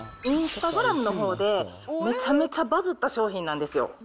インスタグラムのほうで、めちゃめちゃバズった商品なんですよ。